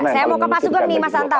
saya mau ke pasukan nih mas hanta